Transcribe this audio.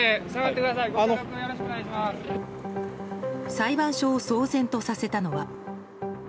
裁判所を騒然とさせたのは。